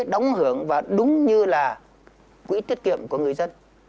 đóng hưởng và đúng như là quỹ tiết kiệm của người dân